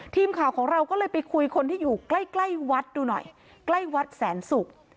ทีมข่าวของเราก็เลยไปคุยคนที่อยู่ใกล้ใกล้วัดดูหน่อยใกล้วัดแสนศุกร์